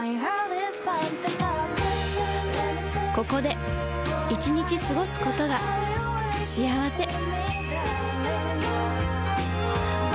ここで１日過ごすことが幸せ